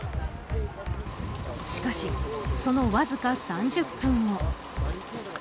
しかし、そのわずか３０分後。